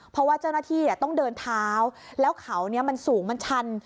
เพราะว่าเจ้าหน้าที่ต้องเดินเท้าแล้วเขามันสูงมันชัน